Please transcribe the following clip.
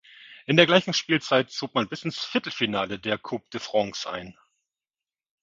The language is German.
In der gleichen Spielzeit zog man bis ins Viertelfinale der Coupe de France ein.